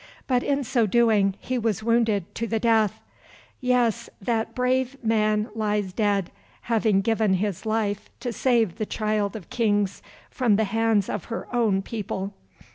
But in so doing he was wounded to the death. Yes, that brave man lies dead, having given his life to save the Child of Kings from the hands of her own people.